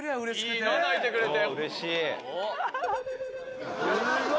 「いいな泣いてくれて」